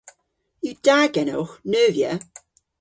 Yw da genowgh neuvya?